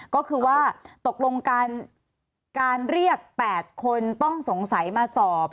ก็คือว่าตกลงการเรียก๘คนต้องสงสัยมาสอบ